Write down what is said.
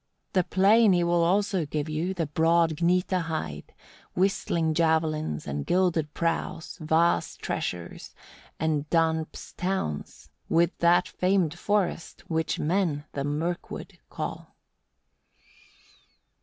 5. "The plain he will also give you, the broad Gnitaheid, whistling javelins, and gilded prows, vast treasures, and Danp's towns, with that famed forest, which men the Murkwood call."